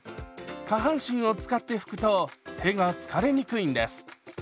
下半身を使って拭くと手が疲れにくいんです。